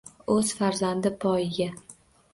O’z farzandi poyiga.